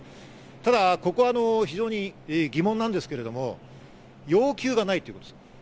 ただ、ここ非常に疑問なんですけど、要求がないということです。